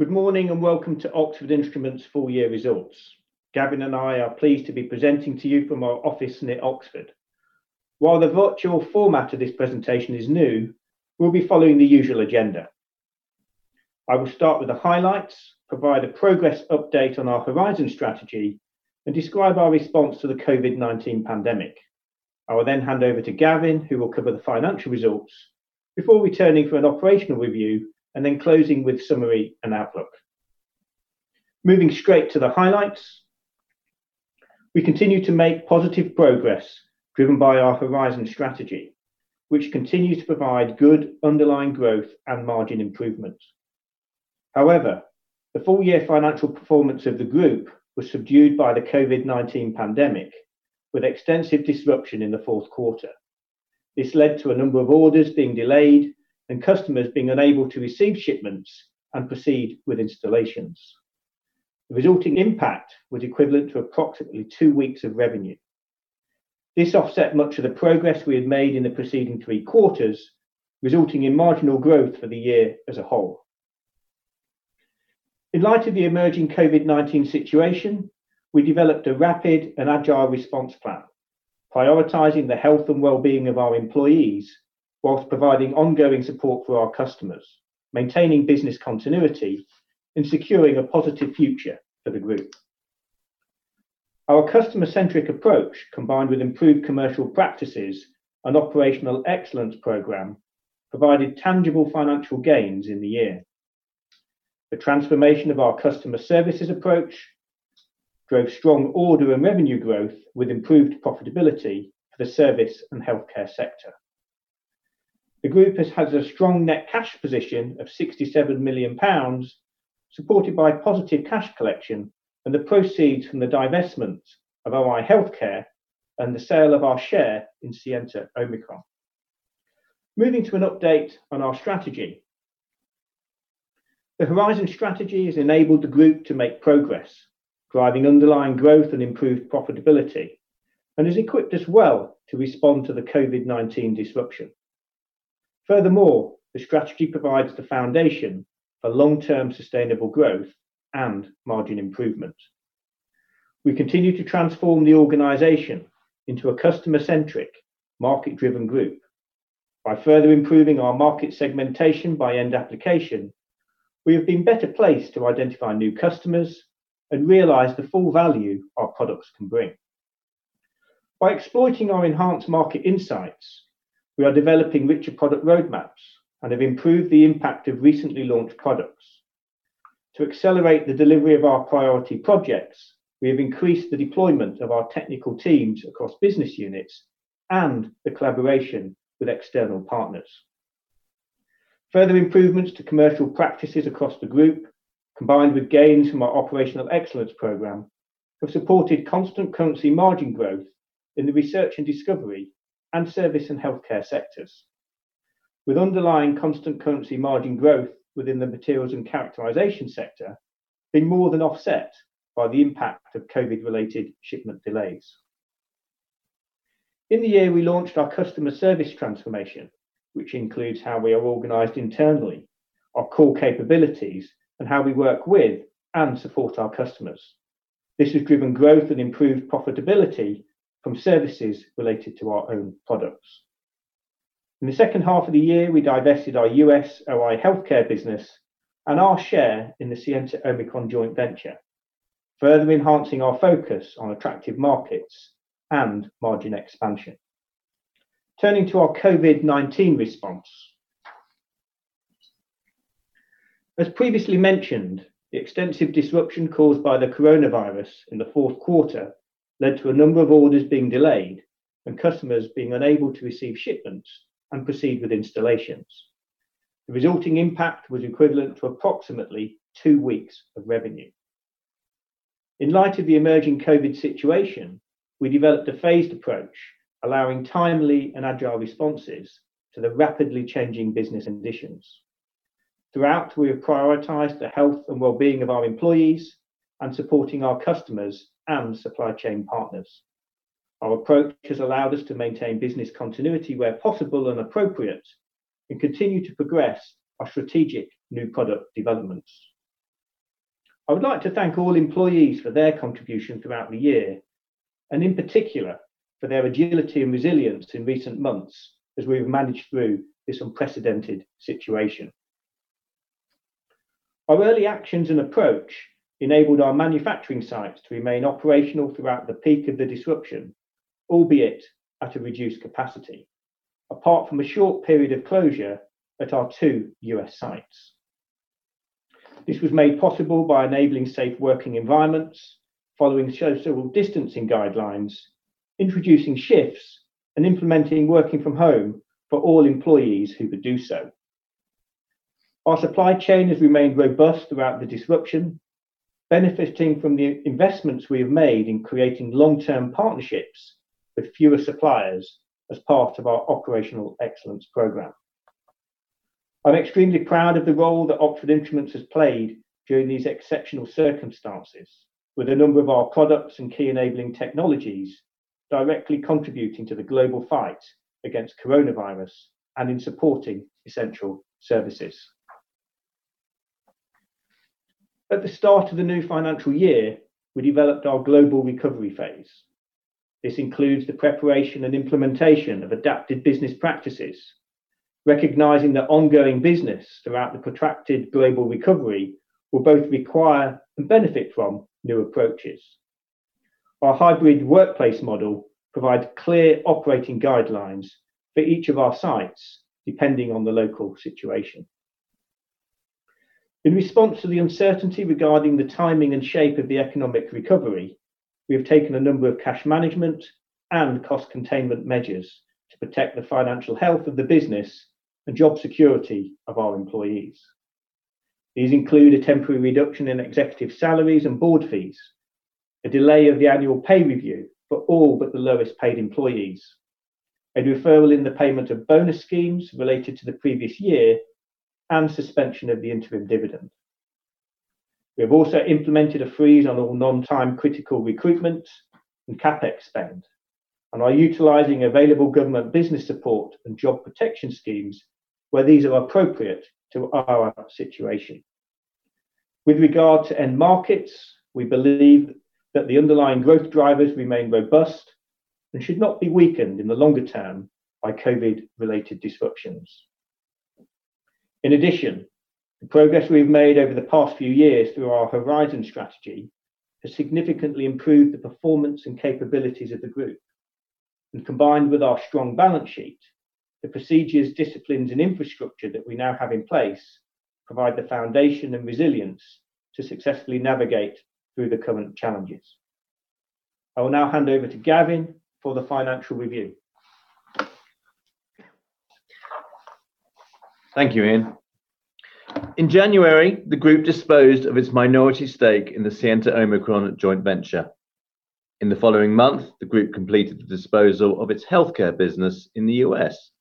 Good morning and welcome to Oxford Instruments' full year results. Gavin and I are pleased to be presenting to you from our office in Oxford. While the virtual format of this presentation is new, we'll be following the usual agenda. I will start with the highlights, provide a progress update on our Horizon strategy, and describe our response to the COVID-19 pandemic. I will then hand over to Gavin, who will cover the financial results, before returning for an operational review and then closing with summary and outlook. Moving straight to the highlights, we continue to make positive progress driven by our Horizon strategy, which continues to provide good underlying growth and margin improvement. However, the full year financial performance of the group was subdued by the COVID-19 pandemic, with extensive disruption in the Q4. This led to a number of orders being delayed and customers being unable to receive shipments and proceed with installations. The resulting impact was equivalent to approximately two weeks of revenue. This offset much of the progress we had made in the preceding three quarters, resulting in marginal growth for the year as a whole. In light of the emerging COVID-19 situation, we developed a rapid and agile response plan, prioritizing the health and well-being of our employees while providing ongoing support for our customers, maintaining business continuity, and securing a positive future for the group. Our customer-centric approach, combined with improved commercial practices and operational excellence program, provided tangible financial gains in the year. The transformation of our customer services approach drove strong order and revenue growth, with improved profitability for the service and healthcare sector. The group has had a strong net cash position of 67 million pounds, supported by positive cash collection and the proceeds from the divestment of OI Healthcare and the sale of our share in Scienta Omicron. Moving to an update on our strategy, the Horizon strategy has enabled the group to make progress, driving underlying growth and improved profitability, and is equipped as well to respond to the COVID-19 disruption. Furthermore, the strategy provides the foundation for long-term sustainable growth and margin improvement. We continue to transform the organization into a customer-centric, market-driven group. By further improving our market segmentation by end application, we have been better placed to identify new customers and realize the full value our products can bring. By exploiting our enhanced market insights, we are developing richer product roadmaps and have improved the impact of recently launched products. To accelerate the delivery of our priority projects, we have increased the deployment of our technical teams across business units and the collaboration with external partners. Further improvements to commercial practices across the group, combined with gains from our operational excellence program, have supported constant currency margin growth in the research and discovery and service and healthcare sectors, with underlying constant currency margin growth within the materials and characterization sector being more than offset by the impact of COVID-related shipment delays. In the year, we launched our customer service transformation, which includes how we are organized internally, our core capabilities, and how we work with and support our customers. This has driven growth and improved profitability from services related to our own products. In the second half of the year, we divested our US OI Healthcare business and our share in the Scienta Omicron joint venture, further enhancing our focus on attractive markets and margin expansion. Turning to our COVID-19 response, as previously mentioned, the extensive disruption caused by the coronavirus in the Q4 led to a number of orders being delayed and customers being unable to receive shipments and proceed with installations. The resulting impact was equivalent to approximately two weeks of revenue. In light of the emerging COVID situation, we developed a phased approach, allowing timely and agile responses to the rapidly changing business conditions. Throughout, we have prioritized the health and well-being of our employees and supporting our customers and supply chain partners. Our approach has allowed us to maintain business continuity where possible and appropriate and continue to progress our strategic new product developments. I would like to thank all employees for their contribution throughout the year and, in particular, for their agility and resilience in recent months as we've managed through this unprecedented situation. Our early actions and approach enabled our manufacturing sites to remain operational throughout the peak of the disruption, albeit at a reduced capacity, apart from a short period of closure at our two US sites. This was made possible by enabling safe working environments, following social distancing guidelines, introducing shifts, and implementing working from home for all employees who could do so. Our supply chain has remained robust throughout the disruption, benefiting from the investments we have made in creating long-term partnerships with fewer suppliers as part of our operational excellence program. I'm extremely proud of the role that Oxford Instruments has played during these exceptional circumstances, with a number of our products and key enabling technologies directly contributing to the global fight against coronavirus and in supporting essential services. At the start of the new financial year, we developed our global recovery phase. This includes the preparation and implementation of adapted business practices, recognizing that ongoing business throughout the protracted global recovery will both require and benefit from new approaches. Our hybrid workplace model provides clear operating guidelines for each of our sites, depending on the local situation. In response to the uncertainty regarding the timing and shape of the economic recovery, we have taken a number of cash management and cost containment measures to protect the financial health of the business and job security of our employees. These include a temporary reduction in executive salaries and board fees, a delay of the annual pay review for all but the lowest paid employees, a referral in the payment of bonus schemes related to the previous year, and suspension of the interim dividend. We have also implemented a freeze on all non-time critical recruitment and CapEx spend, and are utilizing available government business support and job protection schemes where these are appropriate to our situation. With regard to end markets, we believe that the underlying growth drivers remain robust and should not be weakened in the longer term by COVID-related disruptions. In addition, the progress we've made over the past few years through our Horizon strategy has significantly improved the performance and capabilities of the group. Combined with our strong balance sheet, the procedures, disciplines, and infrastructure that we now have in place provide the foundation and resilience to successfully navigate through the current challenges. I will now hand over to Gavin for the financial review. Thank you, Ian. In January, the group disposed of its minority stake in the Scienta Omicron joint venture. In the following month, the group completed the disposal of its healthcare business in the US.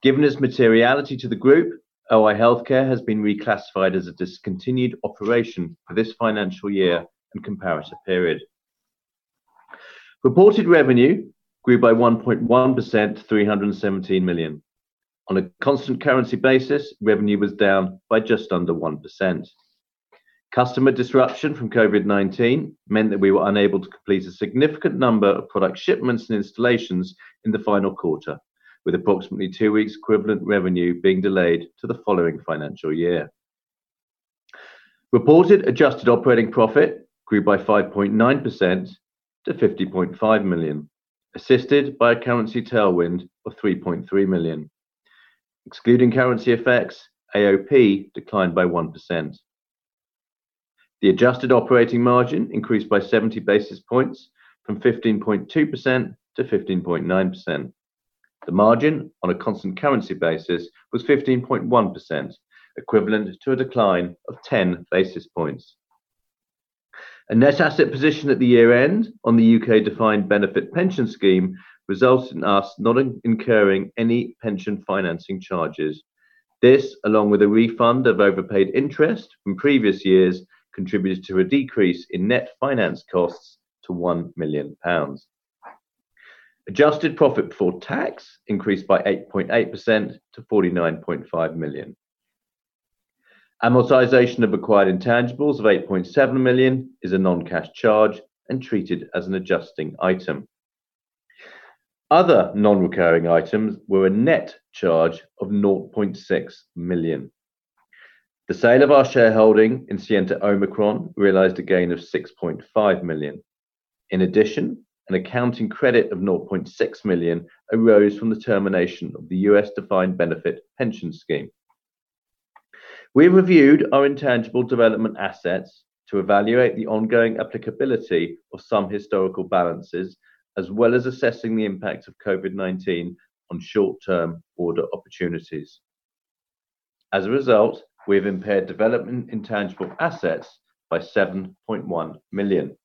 Given its materiality to the group, OI Healthcare has been reclassified as a discontinued operation for this financial year and comparative period. Reported revenue grew by 1.1% to 317 million. On a constant currency basis, revenue was down by just under 1%. Customer disruption from COVID-19 meant that we were unable to complete a significant number of product shipments and installations in the final quarter, with approximately two weeks' equivalent revenue being delayed to the following financial year. Reported adjusted operating profit grew by 5.9% to 50.5 million, assisted by a currency tailwind of 3.3 million. Excluding currency effects, AOP declined by 1%. The adjusted operating margin increased by 70 basis points, from 15.2% to 15.9%. The margin on a constant currency basis was 15.1%, equivalent to a decline of 10 basis points. A net asset position at the year-end on the U.K.-defined benefit pension scheme resulted in us not incurring any pension financing charges. This, along with a refund of overpaid interest from previous years, contributed to a decrease in net finance costs to 1 million pounds. Adjusted profit before tax increased by 8.8% to 49.5 million. Amortization of acquired intangibles of 8.7 million is a non-cash charge and treated as an adjusting item. Other non-recurring items were a net charge of 0.6 million. The sale of our shareholding in Scienta Omicron realized a gain of 6.5 million. In addition, an accounting credit of 0.6 million arose from the termination of the U.S.-defined benefit pension scheme. We've reviewed our intangible development assets to evaluate the ongoing applicability of some historical balances, as well as assessing the impacts of COVID-19 on short-term order opportunities. As a result, we have impaired development intangible assets by 7.1 million.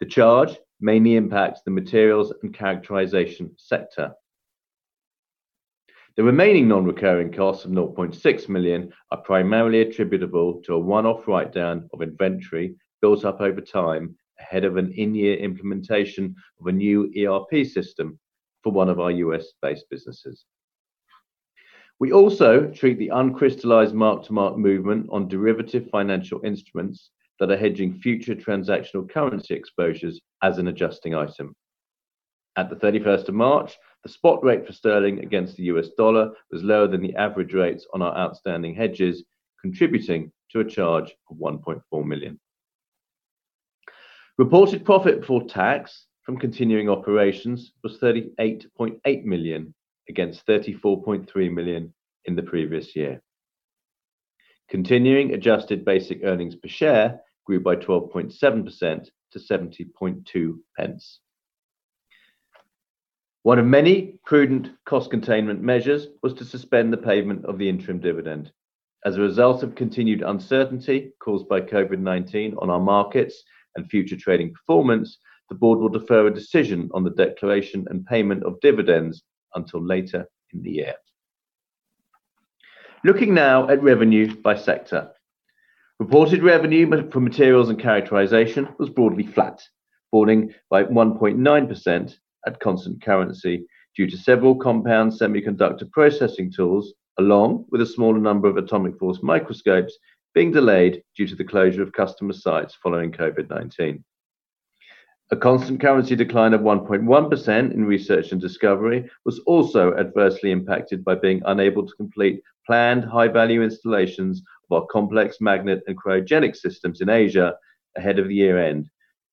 The charge mainly impacts the materials and characterization sector. The remaining non-recurring costs of 0.6 million are primarily attributable to a one-off write-down of inventory built up over time ahead of an in-year implementation of a new ERP system for one of our US-based businesses. We also treat the uncrystallized mark-to-mark movement on derivative financial instruments that are hedging future transactional currency exposures as an adjusting item. At the 31st of March, the spot rate for sterling against the US dollar was lower than the average rates on our outstanding hedges, contributing to a charge of 1.4 million. Reported profit before tax from continuing operations was 38.8 million against 34.3 million in the previous year. Continuing adjusted basic earnings per share grew by 12.7% to GBP 0.70. One of many prudent cost containment measures was to suspend the payment of the interim dividend. As a result of continued uncertainty caused by COVID-19 on our markets and future trading performance, the board will defer a decision on the declaration and payment of dividends until later in the year. Looking now at revenue by sector, reported revenue for materials and characterization was broadly flat, falling by 1.9% at constant currency due to several compound semiconductor processing tools, along with a smaller number of atomic force microscopes being delayed due to the closure of customer sites following COVID-19. A constant currency decline of 1.1% in research and discovery was also adversely impacted by being unable to complete planned high-value installations of our complex magnet and cryogenic systems in Asia ahead of the year-end,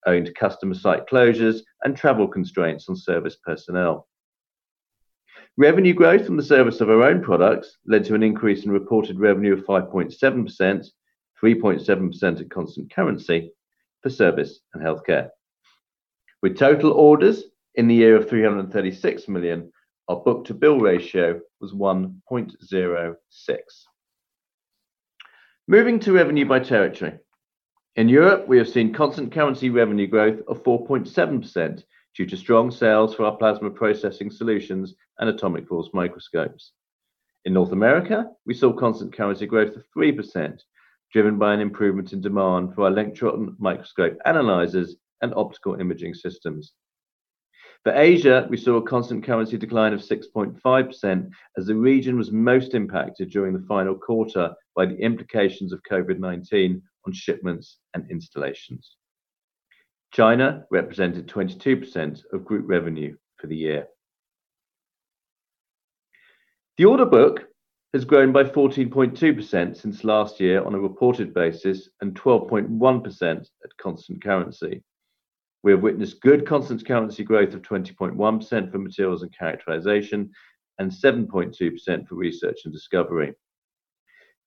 owing to customer site closures and travel constraints on service personnel. Revenue growth from the service of our own products led to an increase in reported revenue of 5.7%, 3.7% at constant currency for service and healthcare. With total orders in the year of 336 million, our book-to-bill ratio was 1.06. Moving to revenue by territory, in Europe, we have seen constant currency revenue growth of 4.7% due to strong sales for our plasma processing solutions and atomic force microscopes. In North America, we saw constant currency growth of 3%, driven by an improvement in demand for our electron microscope analyzers and optical imaging systems. For Asia, we saw a constant currency decline of 6.5% as the region was most impacted during the final quarter by the implications of COVID-19 on shipments and installations. China represented 22% of group revenue for the year. The order book has grown by 14.2% since last year on a reported basis and 12.1% at constant currency. We have witnessed good constant currency growth of 20.1% for materials and characterization and 7.2% for research and discovery.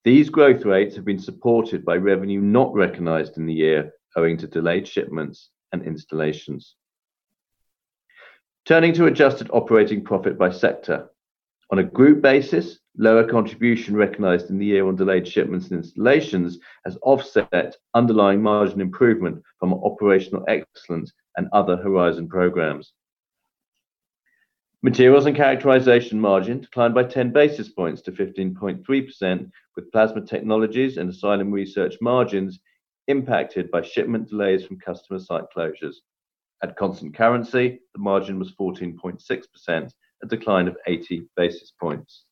These growth rates have been supported by revenue not recognized in the year, owing to delayed shipments and installations. Turning to adjusted operating profit by sector, on a group basis, lower contribution recognized in the year on delayed shipments and installations has offset underlying margin improvement from operational excellence and other Horizon programs. Materials and characterization margin declined by 10 basis points to 15.3%, with plasma technologies and Asylum Research margins impacted by shipment delays from customer site closures. At constant currency, the margin was 14.6%, a decline of 80 basis points.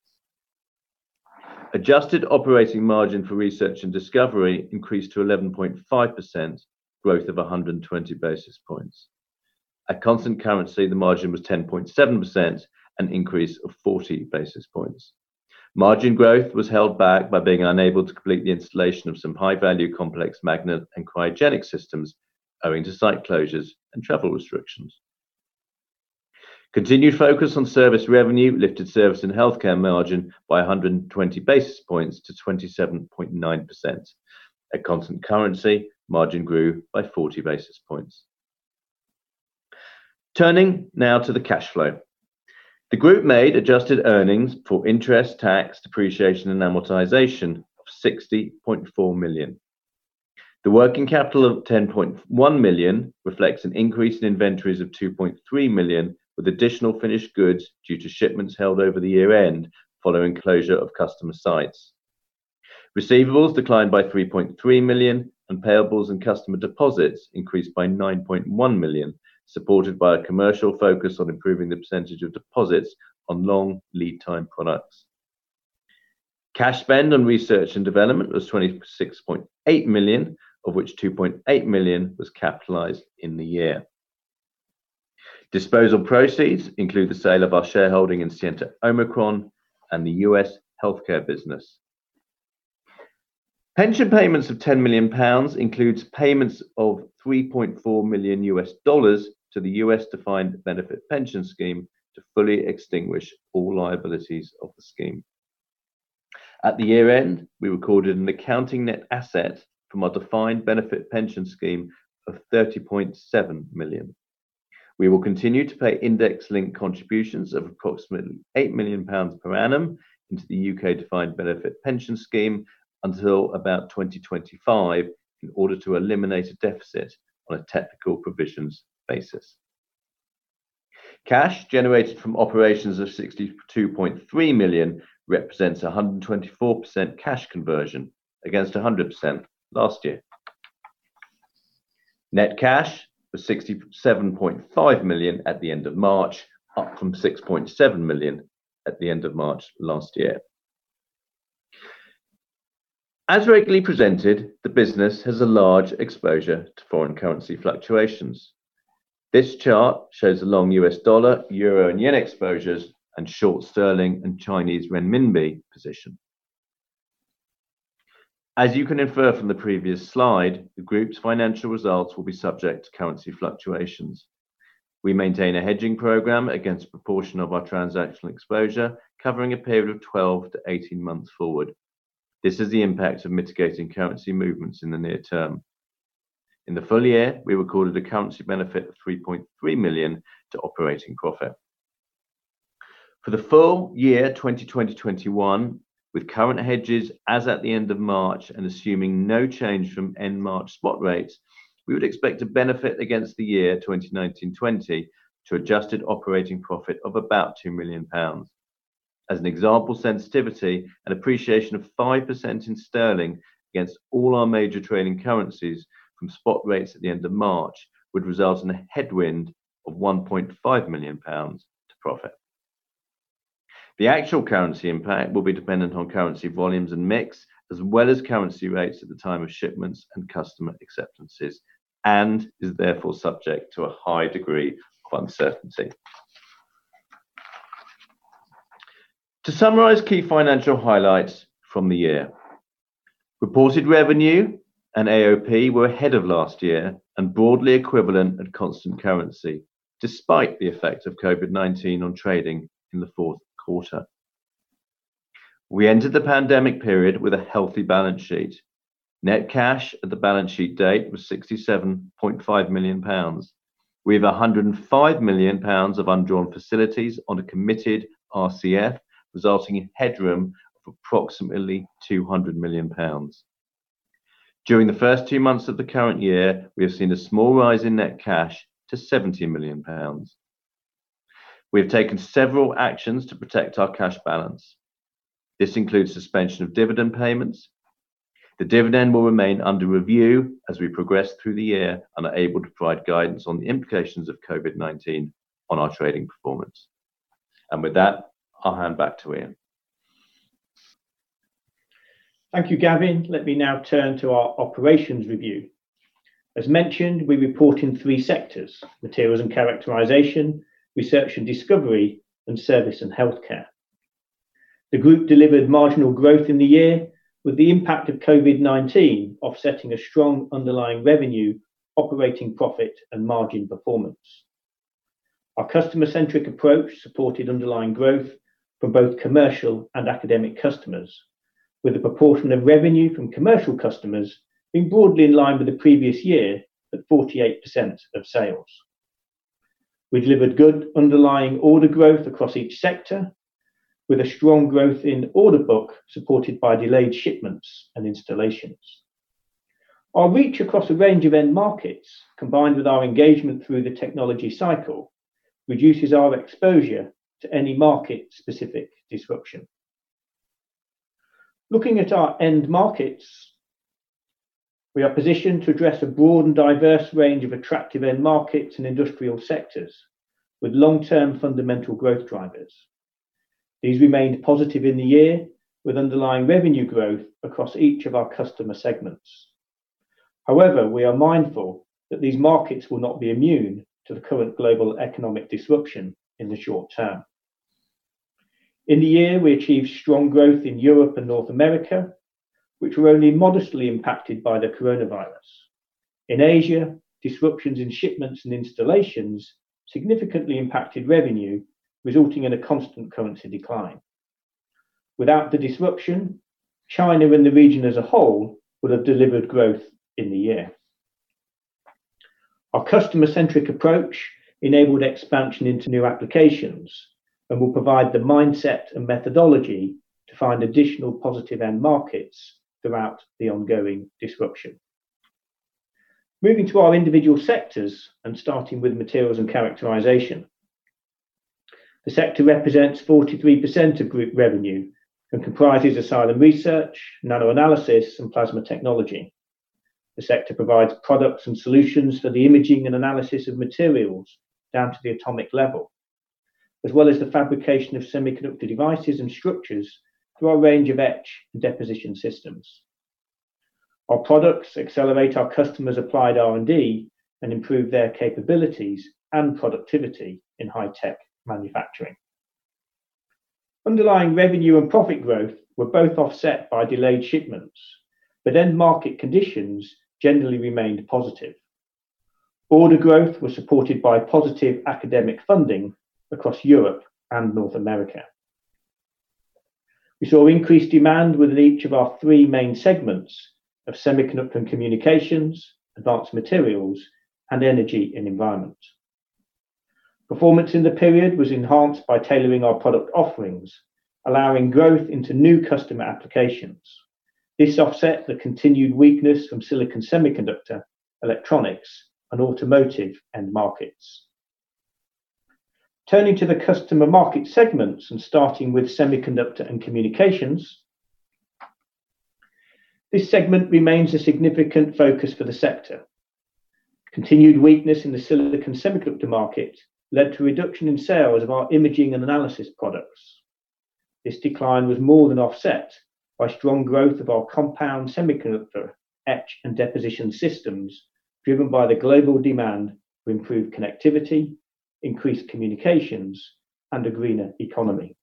Adjusted operating margin for research and discovery increased to 11.5%, growth of 120 basis points. At constant currency, the margin was 10.7%, an increase of 40 basis points. Margin growth was held back by being unable to complete the installation of some high-value complex magnet and cryogenic systems, owing to site closures and travel restrictions. Continued focus on service revenue lifted service and healthcare margin by 120 basis points to 27.9%. At constant currency, margin grew by 40 basis points. Turning now to the cash flow, the group made adjusted earnings for interest, tax, depreciation, and amortization of 60.4 million. The working capital of 10.1 million reflects an increase in inventories of 2.3 million, with additional finished goods due to shipments held over the year-end following closure of customer sites. Receivables declined by 3.3 million, and payables and customer deposits increased by 9.1 million, supported by a commercial focus on improving the percentage of deposits on long lead-time products. Cash spend on research and development was 26.8 million, of which 2.8 million was capitalized in the year. Disposal proceeds include the sale of our shareholding in Scienta Omicron and the US healthcare business. Pension payments of 10 million pounds include payments of $3.4 million to the US-defined benefit pension scheme to fully extinguish all liabilities of the scheme. At the year-end, we recorded an accounting net asset from our defined benefit pension scheme of 30.7 million. We will continue to pay index-linked contributions of approximately 8 million pounds per annum into the U.K.-defined benefit pension scheme until about 2025 in order to eliminate a deficit on a technical provisions basis. Cash generated from operations of 62.3 million represents 124% cash conversion against 100% last year. Net cash was 67.5 million at the end of March, up from 6.7 million at the end of March last year. As regularly presented, the business has a large exposure to foreign currency fluctuations. This chart shows the long US dollar, euro, and yen exposures and short sterling and Chinese renminbi position. As you can infer from the previous slide, the group's financial results will be subject to currency fluctuations. We maintain a hedging program against a proportion of our transactional exposure, covering a period of 12-18 months forward. This is the impact of mitigating currency movements in the near term. In the full year, we recorded a currency benefit of 3.3 million to operating profit. For the full year 2020-2021, with current hedges as at the end of March and assuming no change from end March spot rates, we would expect a benefit against the year 2019-2020 to adjusted operating profit of about 2 million pounds. As an example, sensitivity and appreciation of 5% in sterling against all our major trading currencies from spot rates at the end of March would result in a headwind of 1.5 million pounds to profit. The actual currency impact will be dependent on currency volumes and mix, as well as currency rates at the time of shipments and customer acceptances, and is therefore subject to a high degree of uncertainty. To summarize key financial highlights from the year, reported revenue and AOP were ahead of last year and broadly equivalent at constant currency, despite the effect of COVID-19 on trading in the Q4. We entered the pandemic period with a healthy balance sheet. Net cash at the balance sheet date was 67.5 million pounds. We have 105 million pounds of undrawn facilities on a committed RCF, resulting in headroom of approximately 200 million pounds. During the first two months of the current year, we have seen a small rise in net cash to 70 million pounds. We have taken several actions to protect our cash balance. This includes suspension of dividend payments. The dividend will remain under review as we progress through the year and are able to provide guidance on the implications of COVID-19 on our trading performance. I'll hand back to Ian. Thank you, Gavin. Let me now turn to our operations review. As mentioned, we report in three sectors: materials and characterization, research and discovery, and service and healthcare. The group delivered marginal growth in the year, with the impact of COVID-19 offsetting a strong underlying revenue, operating profit, and margin performance. Our customer-centric approach supported underlying growth from both commercial and academic customers, with a proportion of revenue from commercial customers being broadly in line with the previous year at 48% of sales. We delivered good underlying order growth across each sector, with a strong growth in order book supported by delayed shipments and installations. Our reach across a range of end markets, combined with our engagement through the technology cycle, reduces our exposure to any market-specific disruption. Looking at our end markets, we are positioned to address a broad and diverse range of attractive end markets and industrial sectors with long-term fundamental growth drivers. These remained positive in the year, with underlying revenue growth across each of our customer segments. However, we are mindful that these markets will not be immune to the current global economic disruption in the short term. In the year, we achieved strong growth in Europe and North America, which were only modestly impacted by the coronavirus. In Asia, disruptions in shipments and installations significantly impacted revenue, resulting in a constant currency decline. Without the disruption, China and the region as a whole would have delivered growth in the year. Our customer-centric approach enabled expansion into new applications and will provide the mindset and methodology to find additional positive end markets throughout the ongoing disruption. Moving to our individual sectors and starting with Materials and Characterization. The sector represents 43% of group revenue and comprises Asylum Research, NanoAnalysis, and Plasma Technology. The sector provides products and solutions for the imaging and analysis of materials down to the atomic level, as well as the fabrication of semiconductor devices and structures through our range of etch and deposition systems. Our products accelerate our customers' applied R&D and improve their capabilities and productivity in high-tech manufacturing. Underlying revenue and profit growth were both offset by delayed shipments, but end market conditions generally remained positive. Order growth was supported by positive academic funding across Europe and North America. We saw increased demand within each of our three main segments of semiconductor communications, advanced materials, and energy and environment. Performance in the period was enhanced by tailoring our product offerings, allowing growth into new customer applications. This offset the continued weakness from silicon semiconductor, electronics, and automotive end markets. Turning to the customer market segments and starting with semiconductor and communications, this segment remains a significant focus for the sector. Continued weakness in the silicon semiconductor market led to a reduction in sales of our imaging and analysis products. This decline was more than offset by strong growth of our compound semiconductor etch and deposition systems, driven by the global demand for improved connectivity, increased communications, and a greener economy.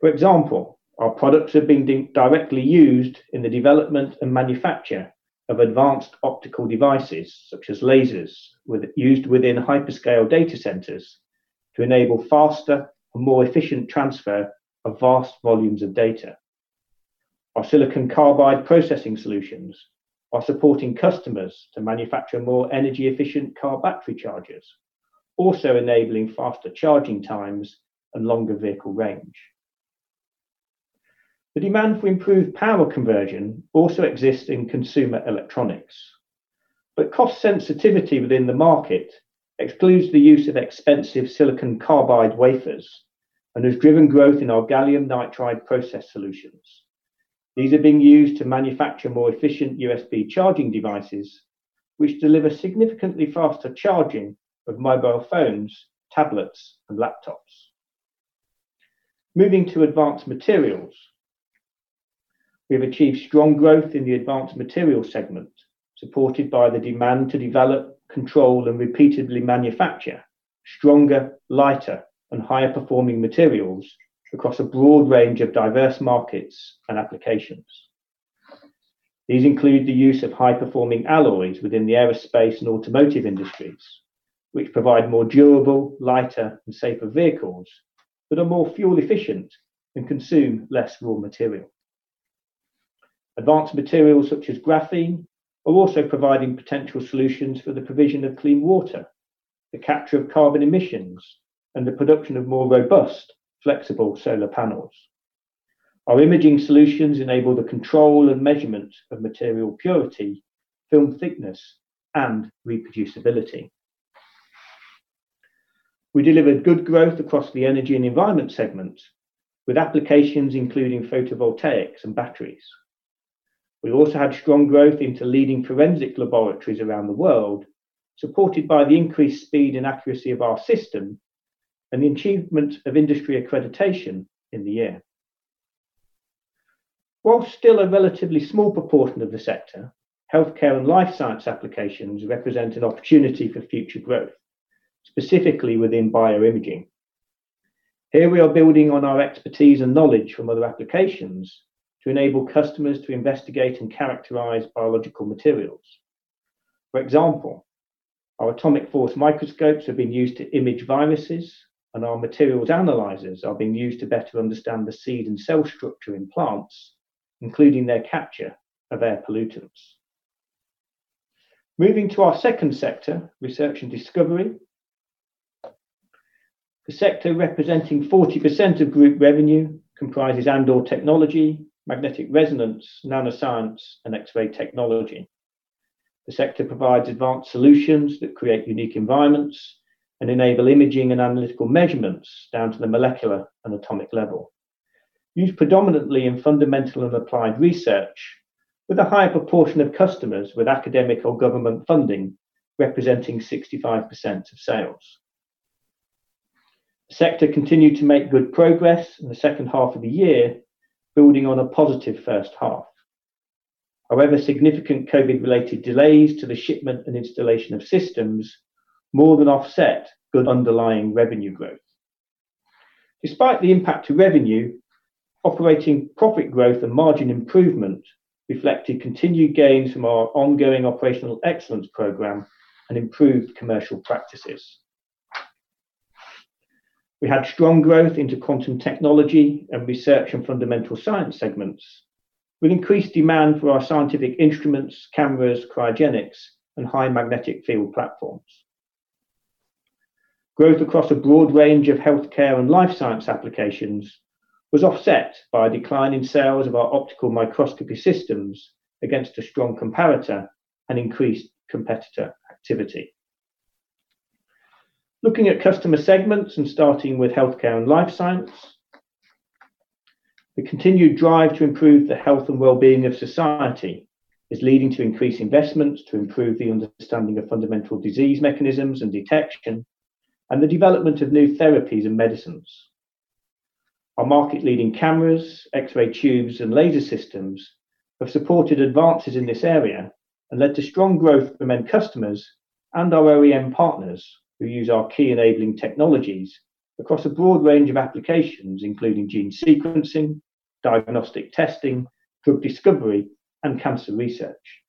For example, our products have been directly used in the development and manufacture of advanced optical devices, such as lasers, used within hyperscale data centers to enable faster and more efficient transfer of vast volumes of data. Our silicon carbide processing solutions are supporting customers to manufacture more energy-efficient car battery chargers, also enabling faster charging times and longer vehicle range. The demand for improved power conversion also exists in consumer electronics, but cost sensitivity within the market excludes the use of expensive silicon carbide wafers and has driven growth in our gallium nitride process solutions. These are being used to manufacture more efficient USB charging devices, which deliver significantly faster charging of mobile phones, tablets, and laptops. Moving to advanced materials, we have achieved strong growth in the advanced materials segment, supported by the demand to develop, control, and repeatedly manufacture stronger, lighter, and higher-performing materials across a broad range of diverse markets and applications. These include the use of high-performing alloys within the aerospace and automotive industries, which provide more durable, lighter, and safer vehicles that are more fuel-efficient and consume less raw material. Advanced materials such as graphene are also providing potential solutions for the provision of clean water, the capture of carbon emissions, and the production of more robust, flexible solar panels. Our imaging solutions enable the control and measurement of material purity, film thickness, and reproducibility. We delivered good growth across the energy and environment segments, with applications including photovoltaics and batteries. We also had strong growth into leading forensic laboratories around the world, supported by the increased speed and accuracy of our system and the achievement of industry accreditation in the year. While still a relatively small proportion of the sector, healthcare and life science applications represent an opportunity for future growth, specifically within bioimaging. Here we are building on our expertise and knowledge from other applications to enable customers to investigate and characterize biological materials. For example, our atomic force microscopes have been used to image viruses, and our materials analyzers are being used to better understand the seed and cell structure in plants, including their capture of air pollutants. Moving to our second sector, research and discovery, the sector representing 40% of group revenue comprises Andor Technology, Magnetic Resonance, NanoScience, and X-Ray Technology. The sector provides advanced solutions that create unique environments and enable imaging and analytical measurements down to the molecular and atomic level, used predominantly in fundamental and applied research, with a high proportion of customers with academic or government funding representing 65% of sales. The sector continued to make good progress in the second half of the year, building on a positive first half. However, significant COVID-19-related delays to the shipment and installation of systems more than offset good underlying revenue growth. Despite the impact to revenue, operating profit growth and margin improvement reflected continued gains from our ongoing operational excellence program and improved commercial practices. We had strong growth into quantum technology and research and fundamental science segments with increased demand for our scientific instruments, cameras, cryogenics, and high magnetic field platforms. Growth across a broad range of healthcare and life science applications was offset by a decline in sales of our optical microscopy systems against a strong comparator and increased competitor activity. Looking at customer segments and starting with healthcare and life science, the continued drive to improve the health and well-being of society is leading to increased investments to improve the understanding of fundamental disease mechanisms and detection and the development of new therapies and medicines. Our market-leading cameras, X-ray tubes, and laser systems have supported advances in this area and led to strong growth among customers and our OEM partners who use our key enabling technologies across a broad range of applications, including gene sequencing, diagnostic testing, drug discovery, and cancer research.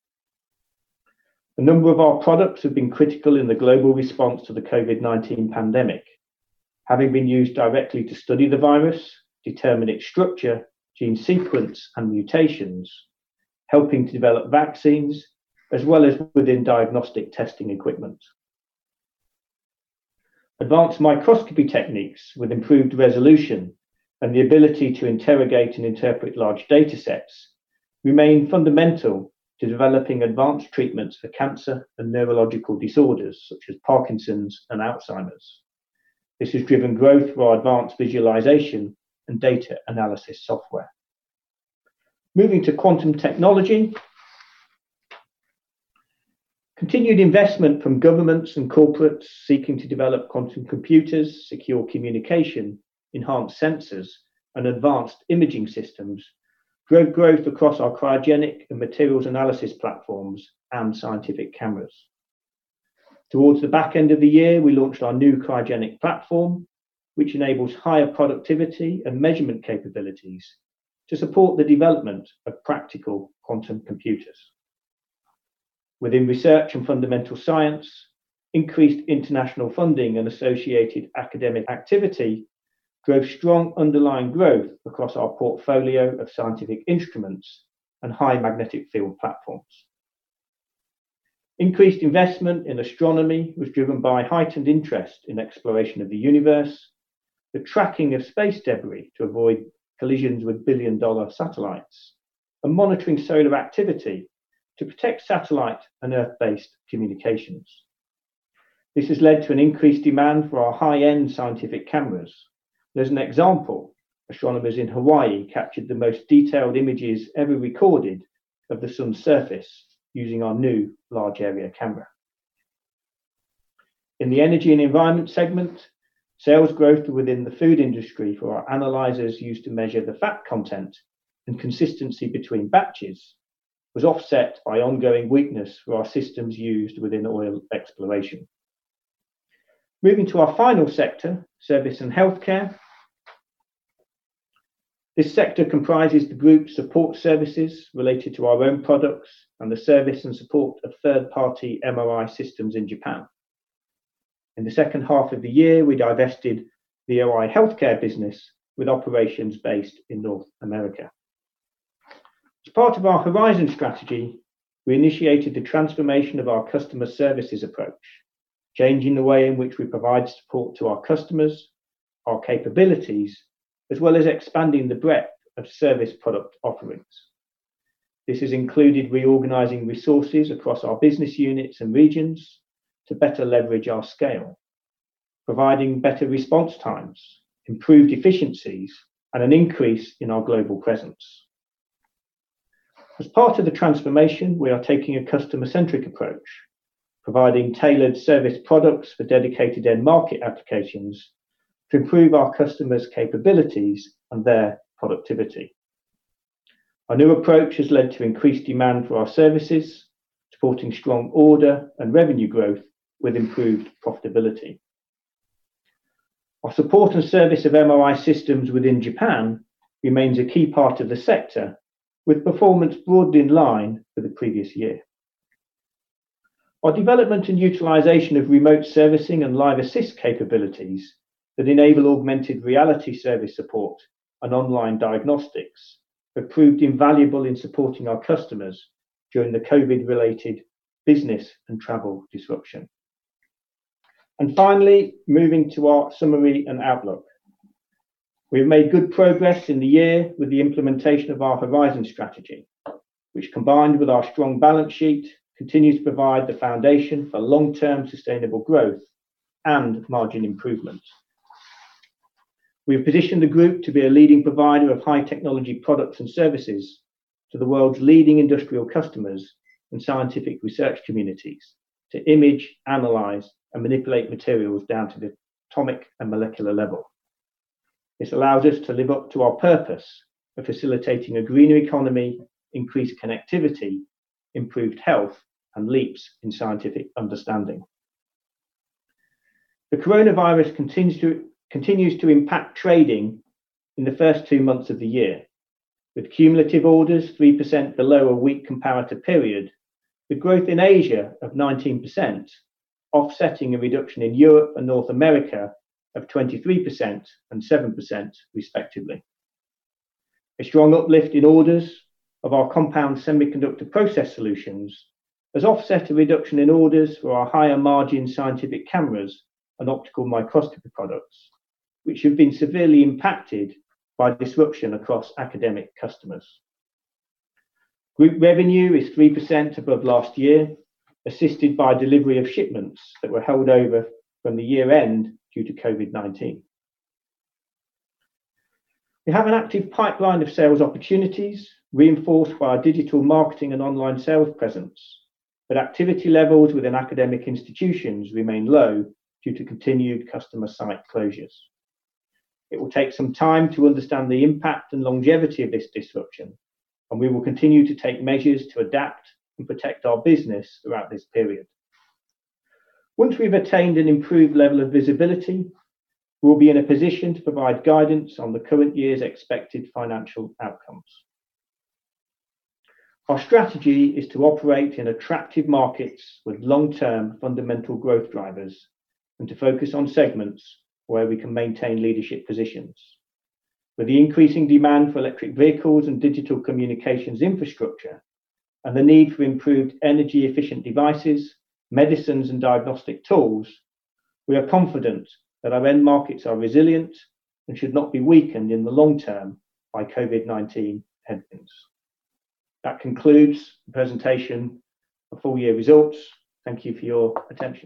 A number of our products have been critical in the global response to the COVID-19 pandemic, having been used directly to study the virus, determine its structure, gene sequence, and mutations, helping to develop vaccines as well as within diagnostic testing equipment. Advanced microscopy techniques with improved resolution and the ability to interrogate and interpret large data sets remain fundamental to developing advanced treatments for cancer and neurological disorders such as Parkinson's and Alzheimer's. This has driven growth through our advanced visualization and data analysis software. Moving to quantum technology, continued investment from governments and corporates seeking to develop quantum computers, secure communication, enhanced sensors, and advanced imaging systems drove growth across our cryogenic and materials analysis platforms and scientific cameras. Towards the back end of the year, we launched our new cryogenic platform, which enables higher productivity and measurement capabilities to support the development of practical quantum computers. Within research and fundamental science, increased international funding and associated academic activity drove strong underlying growth across our portfolio of scientific instruments and high magnetic field platforms. Increased investment in astronomy was driven by heightened interest in exploration of the universe, the tracking of space debris to avoid collisions with billion-dollar satellites, and monitoring solar activity to protect satellite and Earth-based communications. This has led to an increased demand for our high-end scientific cameras. As an example, astronomers in Hawaii captured the most detailed images ever recorded of the sun's surface using our new large-area camera. In the energy and environment segment, sales growth within the food industry for our analyzers used to measure the fat content and consistency between batches was offset by ongoing weakness for our systems used within oil exploration. Moving to our final sector, service and healthcare, this sector comprises the group support services related to our own products and the service and support of third-party MRI systems in Japan. In the second half of the year, we divested the OI Healthcare business with operations based in North America. As part of our Horizon strategy, we initiated the transformation of our customer services approach, changing the way in which we provide support to our customers, our capabilities, as well as expanding the breadth of service product offerings. This has included reorganizing resources across our business units and regions to better leverage our scale, providing better response times, improved efficiencies, and an increase in our global presence. As part of the transformation, we are taking a customer-centric approach, providing tailored service products for dedicated end market applications to improve our customers' capabilities and their productivity. Our new approach has led to increased demand for our services, supporting strong order and revenue growth with improved profitability. Our support and service of MRI systems within Japan remains a key part of the sector, with performance broadly in line with the previous year. Our development and utilization of remote servicing and live assist capabilities that enable augmented reality service support and online diagnostics have proved invaluable in supporting our customers during the COVID-19-related business and travel disruption. Finally, moving to our summary and outlook, we have made good progress in the year with the implementation of our Horizon strategy, which, combined with our strong balance sheet, continues to provide the foundation for long-term sustainable growth and margin improvement. We have positioned the group to be a leading provider of high-technology products and services to the world's leading industrial customers and scientific research communities to image, analyze, and manipulate materials down to the atomic and molecular level. This allows us to live up to our purpose of facilitating a greener economy, increased connectivity, improved health, and leaps in scientific understanding. The coronavirus continues to impact trading in the first two months of the year, with cumulative orders 3% below a weak comparator period, with growth in Asia of 19%, offsetting a reduction in Europe and North America of 23% and 7%, respectively. A strong uplift in orders of our compound semiconductor process solutions has offset a reduction in orders for our higher-margin scientific cameras and optical microscopy products, which have been severely impacted by disruption across academic customers. Group revenue is 3% above last year, assisted by delivery of shipments that were held over from the year-end due to COVID-19. We have an active pipeline of sales opportunities, reinforced by our digital marketing and online sales presence, but activity levels within academic institutions remain low due to continued customer site closures. It will take some time to understand the impact and longevity of this disruption, and we will continue to take measures to adapt and protect our business throughout this period. Once we've attained an improved level of visibility, we'll be in a position to provide guidance on the current year's expected financial outcomes. Our strategy is to operate in attractive markets with long-term fundamental growth drivers and to focus on segments where we can maintain leadership positions. With the increasing demand for electric vehicles and digital communications infrastructure and the need for improved energy-efficient devices, medicines, and diagnostic tools, we are confident that our end markets are resilient and should not be weakened in the long term by COVID-19 headwinds. That concludes the presentation of full-year results. Thank you for your attention.